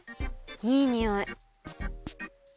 いいにおい。